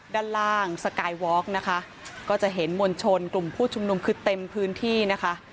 ด้านล่างสกายวอล์กนะคะก็จะเห็นมวลชนกลุ่มผู้ชุมนุมคือเต็มพื้นที่นะคะ